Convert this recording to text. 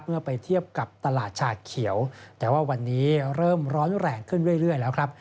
เมื่อไปเทียบกับตลาดชาเขียวแต่ว่าวันนี้เริ่มร้อนแรงขึ้นเรื่อยแล้วครับ